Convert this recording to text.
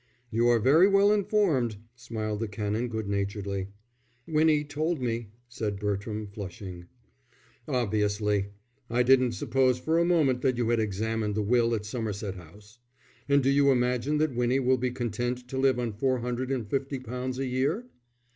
"You are very well informed," smiled the Canon, good naturedly. "Winnie told me," said Bertram, flushing. "Obviously! I didn't suppose for a moment that you had examined the will at Somerset House. And do you imagine that Winnie will be content to live on four hundred and fifty pounds a year?"